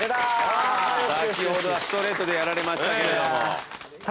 先ほどはストレートでやられましたけれども。